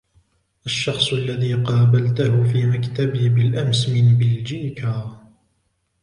الشخص الذي قابلتَه في مكتبي بالأمس من بلجيكا.